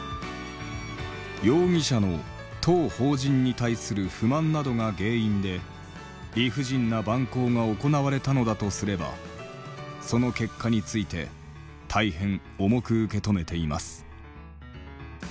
「容疑者の当法人に対する不満などが原因で理不尽な蛮行が行われたのだとすればその結果について大変重く受け止めています」。